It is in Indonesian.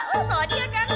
oh soalnya dia kan